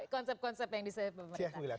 konsep konsep yang disampaikan